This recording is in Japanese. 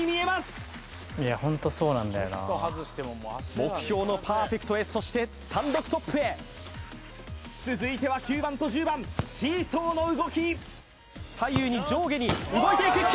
目標のパーフェクトへそして単独トップへ続いては９番と１０番シーソーの動き左右に上下に動いていく９